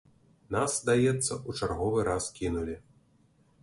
Нас, здаецца, у чарговы раз кінулі.